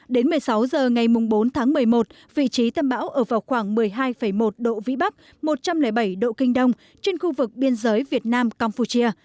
đến một mươi sáu h ngày bốn tháng một mươi một vị trí tâm bão ở vào khoảng một mươi hai một độ vĩ bắc một trăm linh bảy độ kinh đông trên khu vực biên giới việt nam campuchia